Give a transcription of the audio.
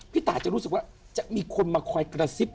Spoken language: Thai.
ตาจะรู้สึกว่าจะมีคนมาคอยกระซิบ